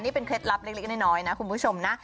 นี่เป็นเคล็ดลับเล็กน้อยนะคุณผู้ชมนะ